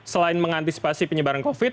selain mengantisipasi penyebaran covid